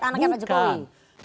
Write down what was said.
menggait anaknya pak jokowi